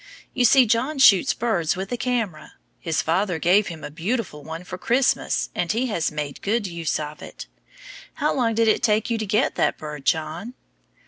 You see John shoots birds with a camera! His father gave him a beautiful one for Christmas, and he has made good use of it. How long did it take you to get that bird, John?